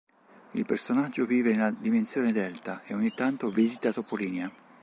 Il personaggio vive nella "dimensione delta" e ogni tanto visita Topolinia.